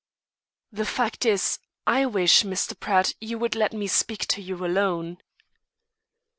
"The fact is, I wish, Mr. Pratt, you would let me speak to you alone."